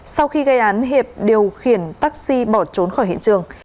sau khi gây án hiệp điều khiển taxi bỏ trốn khỏi hiện trường